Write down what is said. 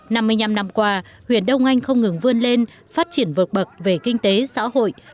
năm mươi năm năm qua huyện đông anh không ngừng vươn lên phát triển vượt bậc về kinh tế xã hội